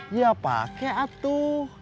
iya pakai atuh